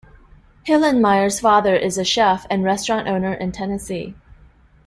Hillenmeyer's father is a chef and restaurant owner in Tennessee.